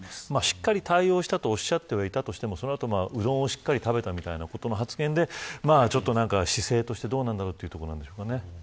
しっかり対応したとおっしゃっていたとしてもうな丼をしっかり食べたという発言で姿勢としてどうなんだろうというところなんでしょうかね。